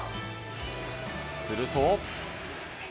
すると。